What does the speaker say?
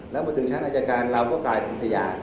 แล้วพอถึงชั้นอายการเราก็กลายเป็นพยาน